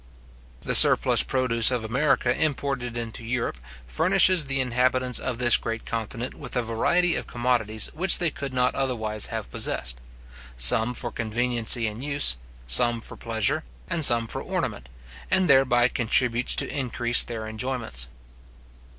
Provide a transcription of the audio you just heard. The surplus produce of America imported into Europe, furnishes the inhabitants of this great continent with a variety of commodities which they could not otherwise have possessed; some for conveniency and use, some for pleasure, and some for ornament; and thereby contributes to increase their enjoyments.